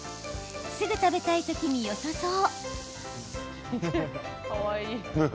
すぐ食べたい時によさそう。